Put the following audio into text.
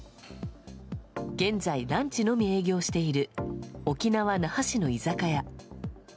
現在、ランチのみ営業している沖縄・那覇市の居酒屋。